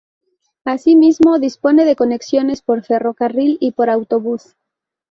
Asimismo dispone de conexiones por ferrocarril y por autobús.